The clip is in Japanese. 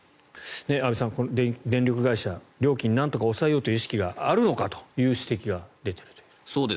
安部さん、電力会社料金をなんとか抑えようという意識があるのかという指摘が出ているという。